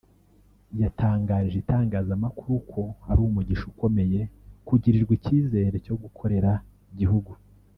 yatangarije itangazamakuru ko ari umugisha ukomeye kugirirwa icyizere cyo gukorera igihugu